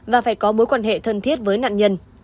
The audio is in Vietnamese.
và phải có mối quan hệ thân thiết với nạn nhân